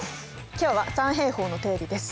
今日は三平方の定理です。